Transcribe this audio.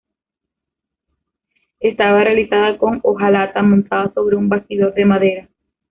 Estaba realizada con hojalata montada sobre un bastidor de madera.